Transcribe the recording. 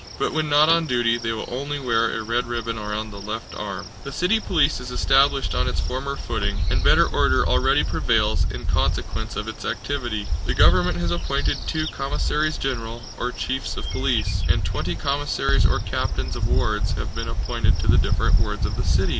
But when not on duty they will only wear a red ribbon round the left arm. The city police is established on its former footing, and better order already prevails in consequence of its activity. The government has appointed two commissaries general, or chiefs of police, and twenty commissaries or captains of wards have been appointed to the different wards of the city.